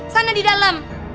sana di dalam